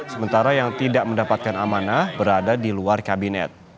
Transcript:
sementara yang tidak mendapatkan amanah berada di luar kabinet